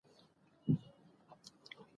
انجينر په هندسه پوه شخصيت وي.